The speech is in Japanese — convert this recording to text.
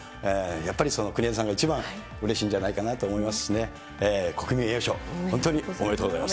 やっぱりその、国枝さんが一番うれしいんじゃないかなと思いますしね、国民栄誉賞、本当におめでとうございます。